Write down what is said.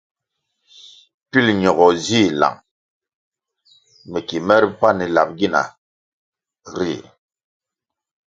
Pil ñogo zih lang me ki mere pani lap gina ri.